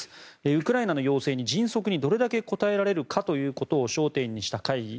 ウクライナの要請に迅速にどれだけ応えられるかを焦点にした会議